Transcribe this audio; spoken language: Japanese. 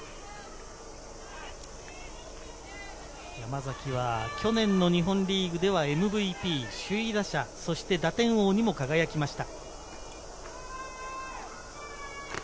山崎は去年の日本リーグではＭＶＰ、首位打者、そして打点王にも輝きました。